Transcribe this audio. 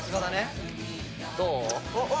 どう？